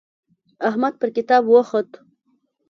احمد پر کتاب وخوت.